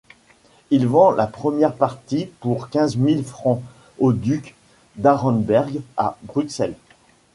Il vend la première partie pour quinze mille francs au duc d'Arenberg à Bruxelles.